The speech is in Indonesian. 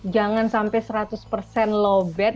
jangan sampai seratus low bed